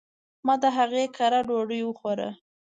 ما د هغي کره ډوډي وخوړه